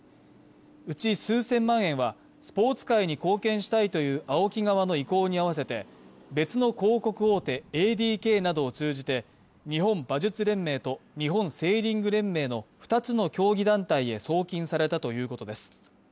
うち数千万円はスポーツ界に貢献したいというＡＯＫＩ側の意向に合わせて、別の広告大手ＡＤＫなどを通じて日本馬術連盟と日本セーリング連盟の２つの競技団体へ送金されたということです。